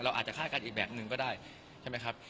อาจจะคาดการณ์อีกแบบหนึ่งก็ได้ใช่ไหมครับ